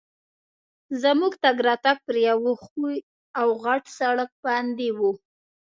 زموږ تګ راتګ پر یوه ښوي او غټ سړک باندي وو.